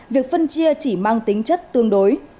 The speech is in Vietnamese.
việc phân chia chỉ mang tính chất tương đối